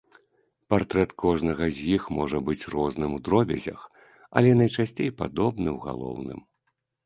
Партрэт кожнага з іх можа быць розным у дробязях, але найчасцей падобны ў галоўным.